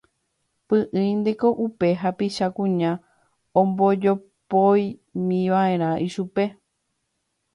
Py'ỹinteko upe hapicha kuña ombojopóimiva'erã ichupe.